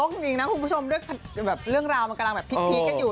คุณผู้ชมเรื่องราวมันกำลังพีทกันอยู่